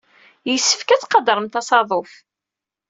Yessefk ad tqadremt asaḍuf.